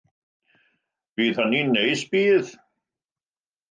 Fydd hynny'n neis, bydd?